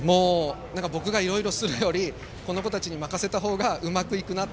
僕がいろいろするよりこの子たちに任せた方がうまくいくなと。